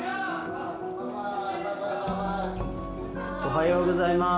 おはようございます。